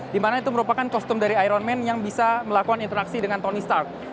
dimana itu merupakan kostum dari iron man yang bisa melakukan interaksi dengan tony stark